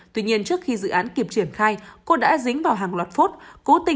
tuy nhiên trước khi dự án kịp triển khai cô đã dính vào hàng loạt phốt